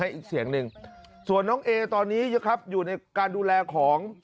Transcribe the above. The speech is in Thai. อีกเสียงหนึ่งส่วนน้องเอตอนนี้นะครับอยู่ในการดูแลของ